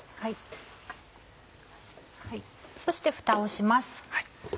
そしてフタをします。